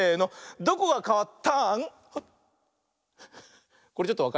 どこがかわった？